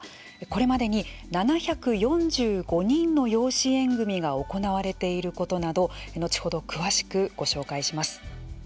これまでに７４５人の養子縁組が行われていることなど後ほど詳しくご紹介します。